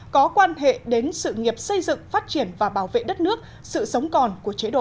có quan hệ đến sự nghiệp xây dựng phát triển và bảo vệ đất nước sự sống còn của chế độ